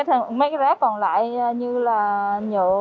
còn mấy cái rác còn lại như là nhựa